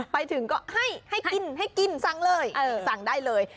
ไปถึงก็ให้กินสั่งเลย